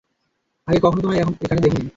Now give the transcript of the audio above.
আগে কখনো তোমায় এখানে দেখিনি।